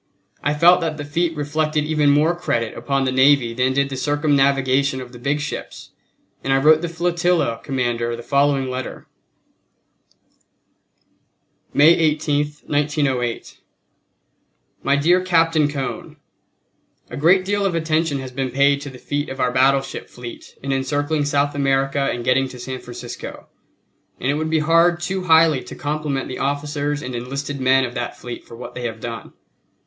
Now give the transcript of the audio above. I felt that the feat reflected even more credit upon the navy than did the circumnavigation of the big ships, and I wrote the flotilla commander the following letter: May 18, 1908. My dear Captain Cone: A great deal of attention has been paid to the feat of our battleship fleet in encircling South America and getting to San Francisco; and it would be hard too highly to compliment the officers and enlisted men of that fleet for what they have done.